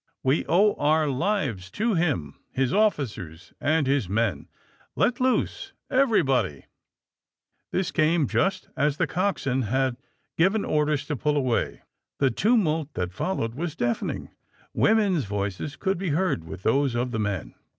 We owe our lives to him, his officers and his men. Let loose — everybody !" This came just as the coxswain had given oi? ders to pull away. The tumult that followed was deafening. Women's voices could be heard with those of the men.